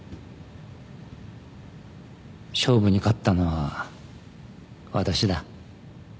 勝負に勝ったのは私だ。